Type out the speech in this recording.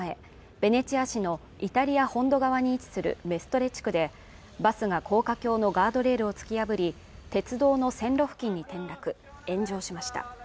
ベネチア市のイタリア本土側に位置するメストレ地区でバスが高架橋のガードレールを突き破り鉄道の線路付近に転落炎上しました